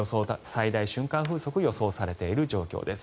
最大瞬間風速が予想されている状況です。